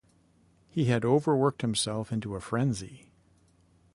He had overworked himself into a frenzy.